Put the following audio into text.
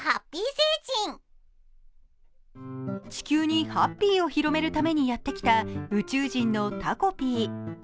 地球にハッピーを広めるためにやってきた宇宙人のタコピー。